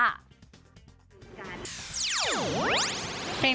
เห็นมอเตอร์แล้วพ่อเป็นรูปฟักเปลี่ยน